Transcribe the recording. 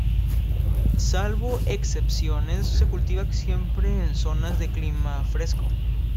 Salvo excepciones se cultiva siempre en zonas de clima fresco.